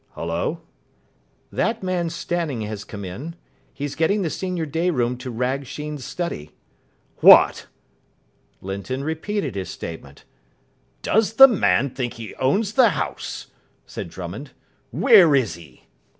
"Hullo?" "That man Stanning has come in. He's getting the senior day room to rag Sheen's study." "What!" Linton repeated his statement. "Does the man think he owns the house?" said Drummond. "Where is he?"